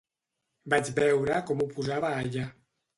Vaig veure com ho posava allà.